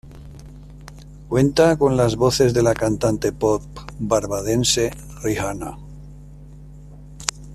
Cuenta con voces de la cantante pop barbadense Rihanna.